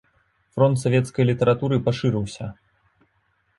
Фронт савецкай літаратуры пашырыўся.